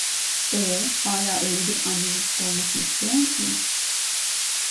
E, hâlâ öyle bir anneniz olmasını istiyor musunuz?